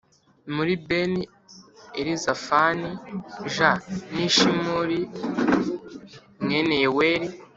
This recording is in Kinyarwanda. muri bene Elizafani j ni Shimuri mwene Yeweli.